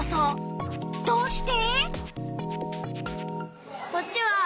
どうして？